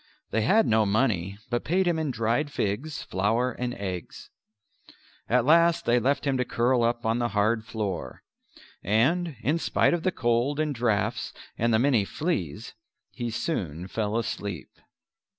They had no money but paid him in dried figs, flour and eggs. At last they left him to curl up on the hard floor; and in spite of the cold and draughts and the many fleas he soon fell asleep.